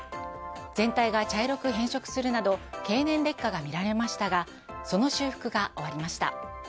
全体が茶色く変色するなど経年劣化が見られましたがその修復が終わりました。